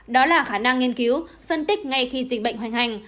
đó là khả năng nghiên cứu phân tích ngay khi dịch bệnh hoành hành